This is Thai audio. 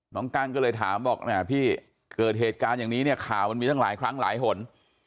กั้งก็เลยถามบอกแหมพี่เกิดเหตุการณ์อย่างนี้เนี่ยข่าวมันมีตั้งหลายครั้งหลายหน